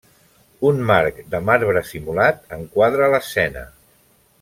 Un marc de marbre simulat, enquadra l'escena.